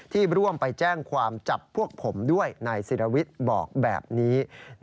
ร่วมไปแจ้งความจับพวกผมด้วยนายศิรวิทย์บอกแบบนี้